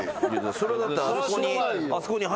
それはだってあそこに。